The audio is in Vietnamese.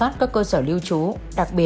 thì tú mới dừng tay